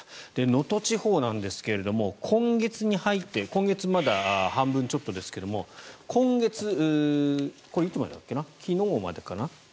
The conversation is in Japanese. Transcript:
能登地方なんですが今月に入って今月まだ半分ちょっとですがこれ、いつまでだっけな。